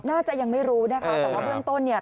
น่าจะยังไม่รู้นะคะแต่ว่าเรื่องต้น